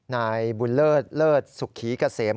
นายบุญเลิศเลิศสุขีเกษม